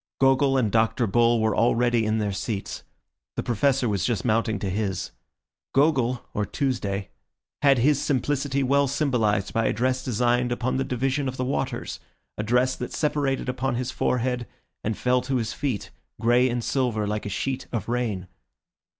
Gogol and Dr. Bull were already in their seats; the Professor was just mounting to his. Gogol, or Tuesday, had his simplicity well symbolised by a dress designed upon the division of the waters, a dress that separated upon his forehead and fell to his feet, grey and silver, like a sheet of rain.